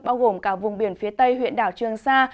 bao gồm cả vùng biển phía tây huyện đảo trương sa